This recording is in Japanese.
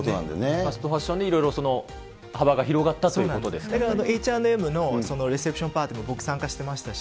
ファストファッションでいろいろ幅が広がったということですだからＨ＆Ｍのレセプションパーティーも僕、参加してましたし。